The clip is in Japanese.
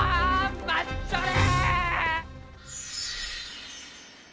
待っちょれ！